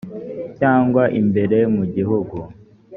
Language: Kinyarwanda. cyangwa imbere mu gihugu